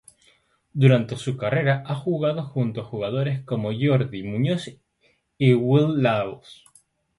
Durante su carrera ha jugado junto a jugadores como Jordi Muñoz o Willy Lahoz.